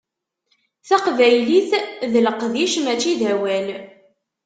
Taqbaylit d leqdic mačči d awal.